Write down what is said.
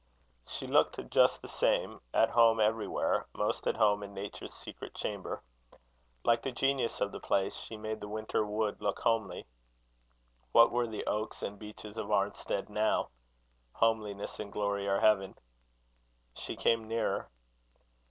She looked just the same; at home everywhere; most at home in Nature's secret chamber. Like the genius of the place, she made the winter wood look homely. What were the oaks and beeches of Arnstead now? Homeliness and glory are Heaven. She came nearer.